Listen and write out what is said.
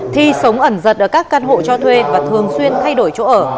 thi sống ẩn giật ở các căn hộ cho thuê và thường xuyên thay đổi chỗ ở